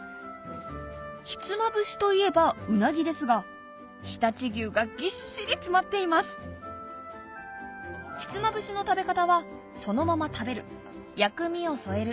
ひつまぶしといえばうなぎですが常陸牛がぎっしり詰まっていますひつまぶしの食べ方は「そのまま食べる」「薬味を添える」